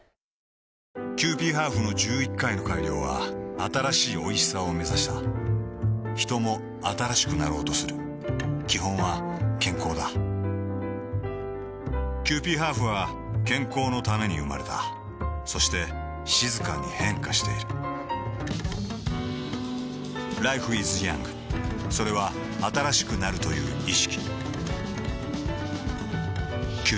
キユーピーハーフの１１回の改良は新しいおいしさをめざしたヒトも新しくなろうとする基本は健康だキユーピーハーフは健康のために生まれたそして静かに変化しているＬｉｆｅｉｓｙｏｕｎｇ．それは新しくなるという意識